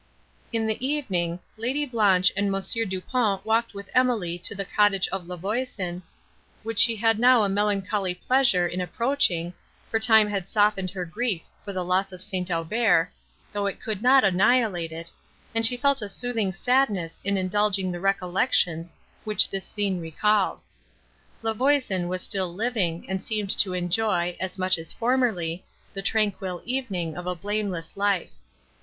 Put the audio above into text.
In the evening, Lady Blanche and Mons. Du Pont walked with Emily to the cottage of La Voisin, which she had now a melancholy pleasure in approaching, for time had softened her grief for the loss of St. Aubert, though it could not annihilate it, and she felt a soothing sadness in indulging the recollections, which this scene recalled. La Voisin was still living, and seemed to enjoy, as much as formerly, the tranquil evening of a blameless life.